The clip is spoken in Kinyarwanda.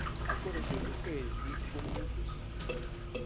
akoresheje ukwezi kumwe gusa